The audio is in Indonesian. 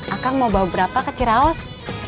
akang mau bawa berapa ke ciraos